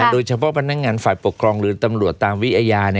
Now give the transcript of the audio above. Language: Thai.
โดยเฉพาะพนักงานฝ่ายปกครองหรือตำรวจตามวิอาญา